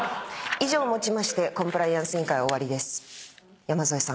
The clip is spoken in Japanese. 以上をもちましてコンプライアンス委員会終わりです。